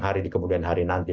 hari di kemudian hari nanti